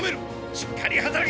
しっかりはたらけ！